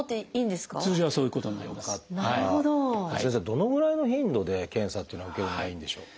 どのぐらいの頻度で検査というのは受けるのがいいんでしょう？